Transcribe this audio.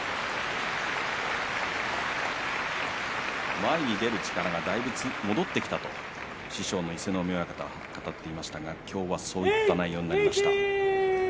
前に出る力がだいぶ戻ってきたと師匠の伊勢ノ海親方は語っていましたが今日はそういった内容になりました。